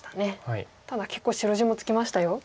ただ結構白地もつきましたよ。